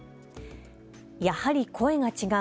やはり声が違う。